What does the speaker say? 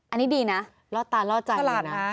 อันนี้ดีนะลอดตาลอดจันทร์ดีนะ